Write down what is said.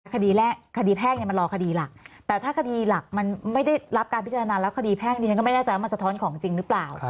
คดีแรกคดีแพ่งเนี่ยมันรอคดีหลักแต่ถ้าคดีหลักมันไม่ได้รับการพิจารณาแล้วคดีแพ่งดิฉันก็ไม่แน่ใจว่ามันสะท้อนของจริงหรือเปล่า